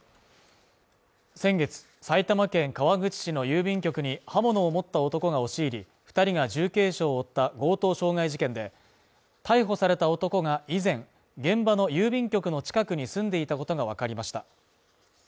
先月埼玉県川口市の郵便局に刃物を持った男が押し入り、２人が重軽傷を負った強盗傷害事件で、逮捕された男が、以前、現場の郵便局の近くに住んでいたことがわかりました。